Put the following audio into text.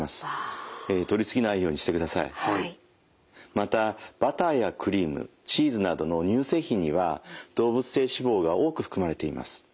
またバターやクリームチーズなどの乳製品には動物性脂肪が多く含まれています。